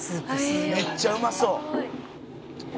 「めっちゃうまそう！」